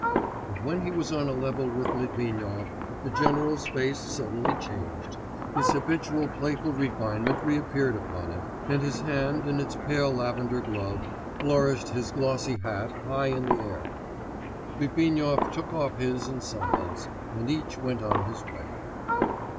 But when he was on a level with Litvinov, the general's face suddenly changed, his habitual playful refinement reappeared upon it, and his hand in its pale lavender glove flourished his glossy hat high in the air. Litvinov took off his in silence, and each went on his way.